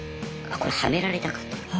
あこれはめられたかと。